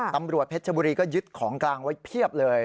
ตำรวจเพชรบุรีก็ยึดของกลางไว้เพียบเลย